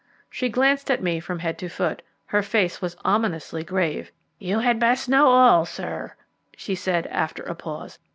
She glanced at me from head to foot. Her face was ominously grave. "You had best know all, sir," she said, after a pause.